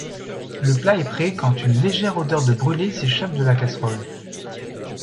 Le plat est prêt quand une légère odeur de brûlé s’échappe de la casserole.